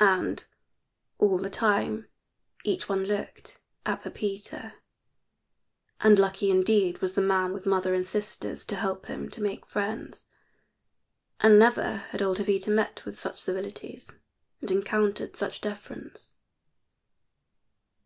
And all the time each one looked at Pepita, and lucky indeed was the man with mother and sisters to help him to make friends. And never had old Jovita met with such civilities, and encountered such deference.